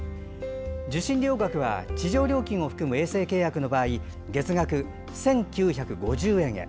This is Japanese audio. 受信料額は地上料金を含む衛星契約の場合月額１９５０円へ。